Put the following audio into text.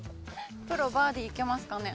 プロバーディーいけますかね？